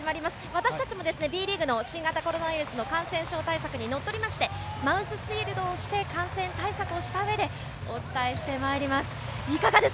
私たちもＢリーグの感染症対策にのっとりましてマウスシールドをして感染対策をしたうえでお伝えしてまいります。